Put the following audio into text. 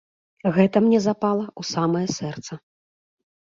Гэта мне запала ў самае сэрца.